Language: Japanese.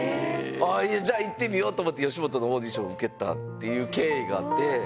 ああ、じゃあ行ってみようと思って、よしもとのオーディション受けたっていう経緯があって。